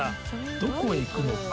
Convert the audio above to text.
どこへ行くのか？